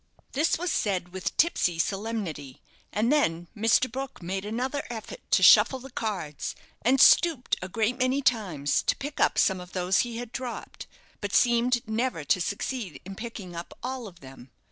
This was said with tipsy solemnity; and then Mr. Brook made another effort to shuffle the cards, and stooped a great many times to pick up some of those he had dropped, but seemed never to succeed in picking up all of them.